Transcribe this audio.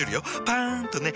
パン！とね。